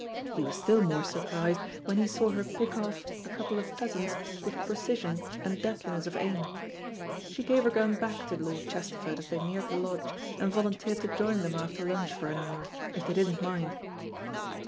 He was still more surprised when he saw her pick off a couple of pheasants with precision and deadliness of aim. She gave her gun back to Lord Chesterford as they neared the lodge, and volunteered to join them after lunch for an hour, if they didn't mind.